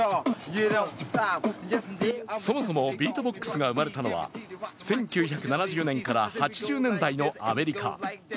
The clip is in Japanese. そもそもビートボックスが生まれたのは１９７０年から８０年代のアメリカ。